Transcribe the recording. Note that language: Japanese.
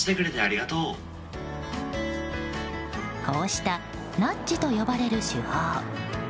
こうしたナッジと呼ばれる手法。